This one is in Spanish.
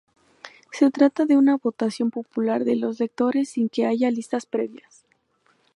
Se trata de una votación popular de los lectores sin que haya listas previas.